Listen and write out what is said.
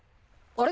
あれ！？